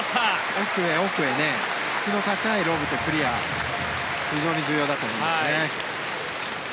奥へ、奥へ質の高いロブとクリア非常に重要だと思いますね。